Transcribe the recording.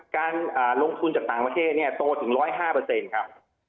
การลงทุนจากตามประเทศเนี่ยโตถึง๑๐๕เปอร์เซ็นต์ครับ